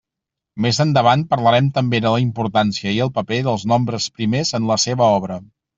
Més endavant parlarem també de la importància i el paper dels nombres primers en la seva obra.